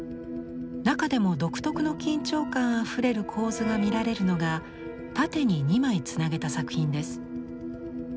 中でも独特の緊張感あふれる構図が見られるのが縦に２枚つなげた作品です。